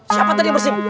siapa tadi yang bersih